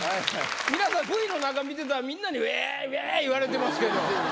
皆さんＶＴＲの中見てたらみんなに「うぇ！うぇ！」言われてますけど。